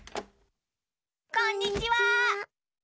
こんにちは！